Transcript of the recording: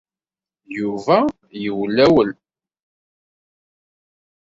Yuba yewlawel.